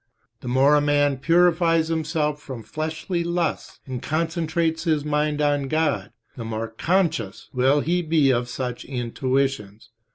The more a man purifies himself from fleshly lusts and concentrates his mind on God, the more conscious will he be of such intuitions.